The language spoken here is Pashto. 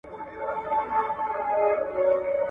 د لوی ضرر په مقابل کي کوم ضرر انتخابيږي؟